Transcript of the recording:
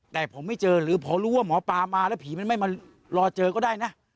แต่ผมไม่เจอหรือพอรู้ว่าหมอปลามาแล้วผีมันไม่มารอเจอก็ได้นะ